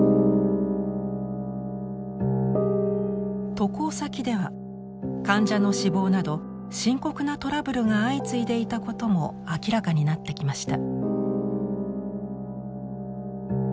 渡航先では患者の死亡など深刻なトラブルが相次いでいたことも明らかになってきました。